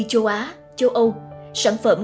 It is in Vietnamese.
châu á châu âu sản phẩm